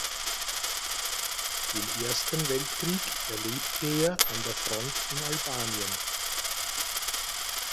Den Ersten Weltkrieg erlebte er an der Front in Albanien.